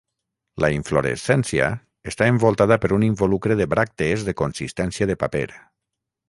La inflorescència està envoltada per un involucre de bràctees de consistència de paper.